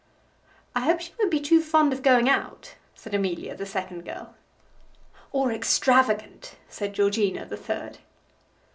"I hope she won't be too fond of going out," said Amelia, the second girl. "Or extravagant," said Georgina, the third.